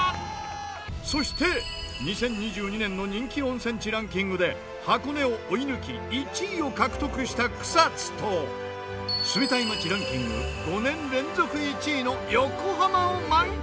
そして２０２２年の人気温泉地ランキングで箱根を追い抜き１位を獲得した草津と住みたい街ランキング５年連続１位の横浜を満喫！